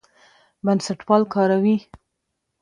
بنسټپال کاروي.